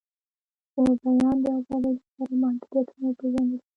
د بیان د آزادۍ لپاره محدودیتونه وپیژندل شي.